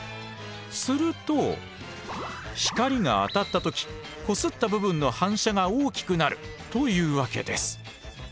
すると光が当たった時こすった部分の反射が大きくなるというわけです。